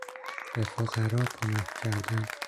به فقرا کمک کردن